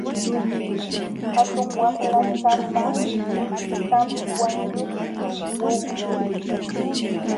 Hatun waqlasapa luychutam wañuqchin wawqii.